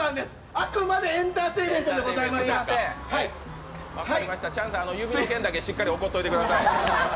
あくまでエンターテインメントでございましたチャンさん、指の件だけしっかり怒っといてください。